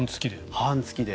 半月です。